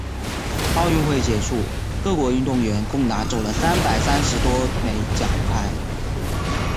奥运会结束，各国运动员共拿走了三百三十多枚奖牌。